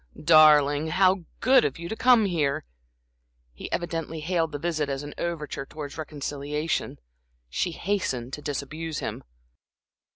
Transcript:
"Darling, how good of you to come here!" He evidently hailed the visit as an overture towards reconciliation. She hastened to disabuse him.